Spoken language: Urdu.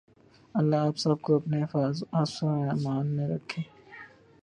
اللہ آپ سب کو اپنے حفظ و ایمان میں رکھے۔